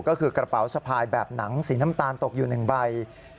ก็คือกระเป๋าสะพายแบบหนังสีน้ำตาลตกอยู่๑ใบ